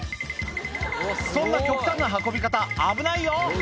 そんな極端な運び方危ないよ！